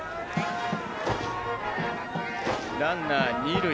ランナー、二塁。